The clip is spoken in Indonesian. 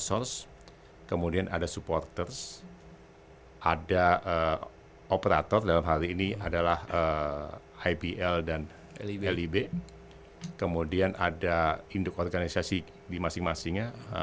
semua orang mempunyai kepentingan